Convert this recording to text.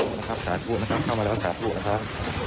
นะครับสาธุนะครับเข้ามาแล้วสาธุนะครับ